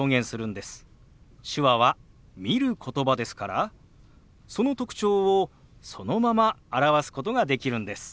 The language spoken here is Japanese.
手話は見る言葉ですからその特徴をそのまま表すことができるんです。